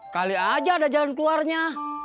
kali aja ada jalan keluarnya